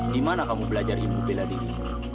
di mana kamu belajar ilmu bela diri